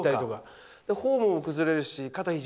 フォームも崩れるし肩ひじ